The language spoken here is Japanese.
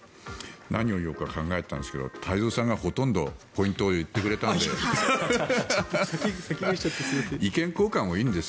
何を言おうか考えてたんですけど太蔵さんがほとんどポイントを言ってくれたので。